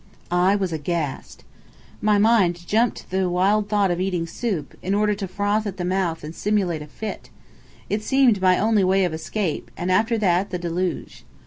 I was aghast. My mind jumped to the wild thought of eating soap, in order to froth at the mouth and simulate a fit. It seemed my only way of escape, and after that, the Deluge.